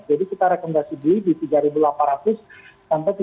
jadi kita rekomendasi beli di tiga ribu delapan ratus sampai tiga ribu delapan ratus tujuh puluh